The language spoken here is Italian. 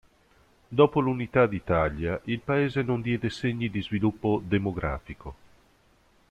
Dopo l'unità d'Italia, il paese non diede segni di sviluppo demografico.